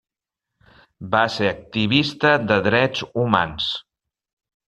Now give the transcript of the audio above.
Va ser activista de drets humans.